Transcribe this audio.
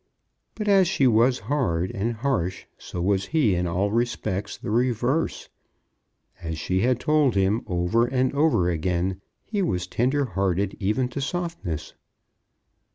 But as she was hard and harsh, so was he in all respects the reverse. As she had told him over and over again, he was tender hearted even to softness.